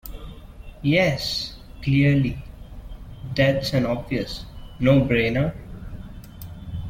Yes, clearly, that's an obvious no-brainer